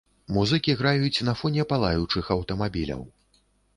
Музыкі граюць на фоне палаючых аўтамабіляў.